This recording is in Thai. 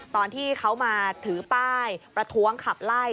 ตอนที่เขามาถือป้ายประท้วงขับไล่